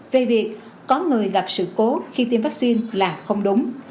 về việc có người gặp sự cố khi tiêm vaccine là không đúng